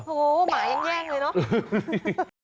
โหหมาแย่งเลยเนาะ